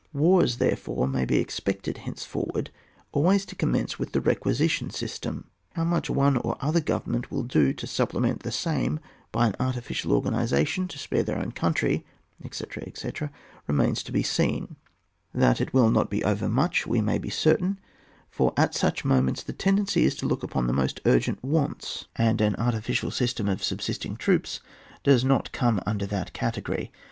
Wars therefore may be expected hence forward always to commence with the requisition system; how much one or other government will do to supplement the same by an artificial organisation to spare theirown country, etc., etc., remains to be seen ; that it will not be overmuch we may be certain, for at such moments the tendency is to look to the most urgent wants, and an artificial system of sub 52 ON WAR. [booxv. Bisting troops does not come under that category.